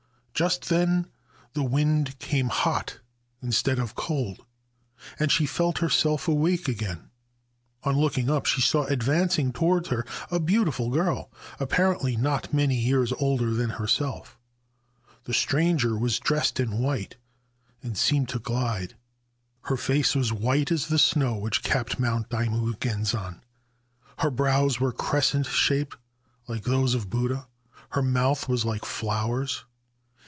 Just then the wind came hot instead of cold, and she felt herself awake again. On looking up she saw advancing towards her a beautiful girl, apparently not many years older than herself. The stranger was dressed in white, and seemed to glide. Her face was white as the snow which capped Mount Daimugenzan ; her brows were crescent shaped, like those of Buddha ; her mouth was like flowers.